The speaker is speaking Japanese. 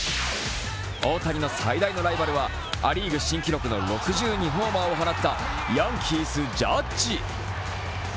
大谷の最大のライバルはア・リーグ新記録の６２ホーマーを放ったヤンキース・ジャッジ。